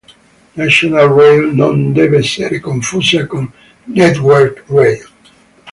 National Rail non deve essere confusa con Network Rail.